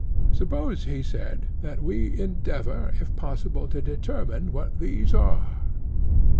Suppose, he said, that we endeavour, if possible, to determine what these are.